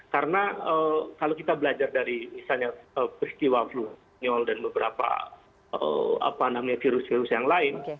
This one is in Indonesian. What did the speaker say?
karena kalau kita belajar dari misalnya peristiwa flu dan beberapa virus virus yang lain